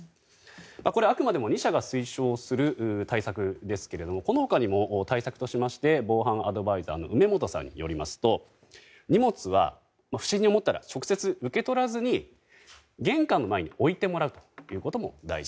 これはあくまでも２社が推奨する対策ですけどもこの他にも、対策としまして防犯アドバイザーの梅本さんによりますと荷物は不審に思ったら直接、受け取らずに玄関の前に置いてもらうことも大事。